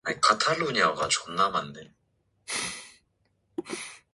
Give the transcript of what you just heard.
하늘은 샛노란데 그네를 뛰면서 내려다보는 것처럼 땅바닥이 움푹 꺼졌다 불쑥 솟아올랐다 한다.